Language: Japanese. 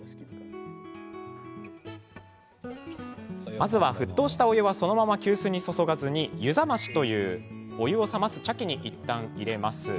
まずは、沸騰したお湯はそのまま急須に注がずに湯冷ましというお湯を冷ます茶器にいったん入れます。